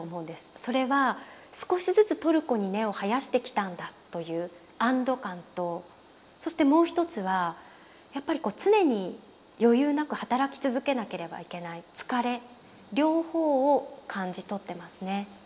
それは少しずつトルコに根を生やしてきたんだという安堵感とそしてもう一つはやっぱり常に余裕なく働き続けなければいけない疲れ両方を感じ取ってますね。